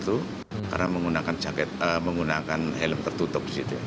daripada jiri pelaku itu karena menggunakan helm tertutup disitu